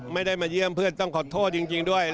ไม่ได้มาเยี่ยมเพื่อนต้องขอโทษจริงด้วย